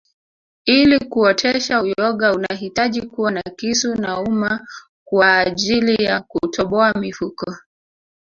Ili kuotesha uyoga unahitaji kuwa na kisu na uma kwaajili ya kutoboa mifuko